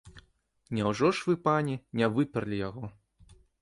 Няўжо ж вы, пані, не выперлі яго?